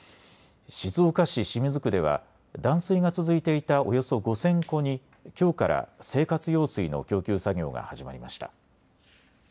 静岡市清水区では断水が続いていたおよそ５０００戸にきょうから生活用水の供給作業が始まりました。